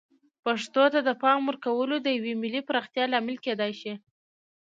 پښتو ته د پام ورکول د یوې ملي پراختیا لامل کیدای شي.